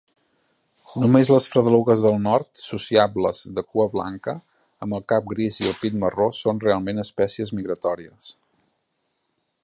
Només les fredelugues del nord, sociables, de cua blanca, amb el cap gris i el pit marró són realment espècies migratòries.